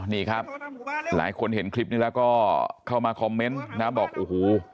นี่ครับหลายคนเห็นคลิปนี้แล้วก็เข้ามาคอมเมนต์นะบอกโอ้โห